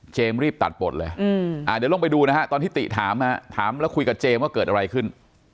รีบตัดบทเลยเดี๋ยวลองไปดูนะฮะตอนที่ติถามถามแล้วคุยกับเจมส์ว่าเกิดอะไรขึ้น